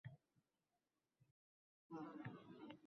O’qishga borolmayman”, deb javob berardim.